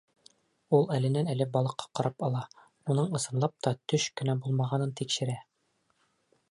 Ул әленән-әле балыҡҡа ҡарап ала, уның ысынлап та төш кенә булмағанын тикшерә.